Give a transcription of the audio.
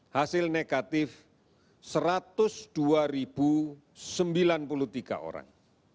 hasil negatif satu ratus dua sembilan puluh tiga orang